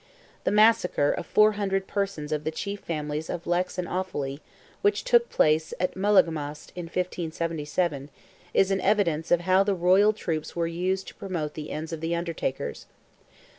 The massacre of 400 persons of the chief families of Leix and Offally, which took place at Mullaghmast in 1577, is an evidence of how the royal troops were used to promote the ends of the Undertakers.